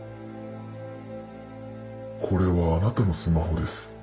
これはあなたのスマホです。